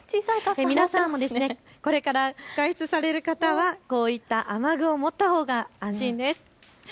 皆さんもこれから外出される方はこういった雨具を持ったほうが安心です。